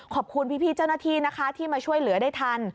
ขอบคุณพี่เจ้าหน้าที่นะคะที่มาช่วยเหลือได้ทัน